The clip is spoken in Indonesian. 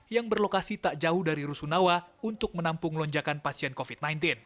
yang berlokasi tak jauh dari rusunawa untuk menampung lonjakan pasien covid sembilan belas